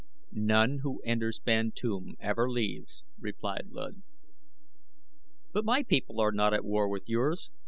"None who enters Bantoom ever leaves," replied Luud. "But my people are not at war with yours.